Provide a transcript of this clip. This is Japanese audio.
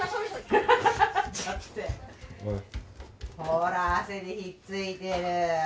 ほら汗でひっついてる。